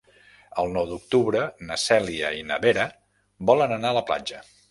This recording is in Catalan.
El nou d'octubre na Cèlia i na Vera volen anar a la platja.